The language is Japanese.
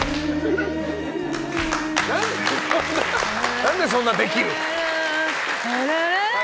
何でそんなできるの。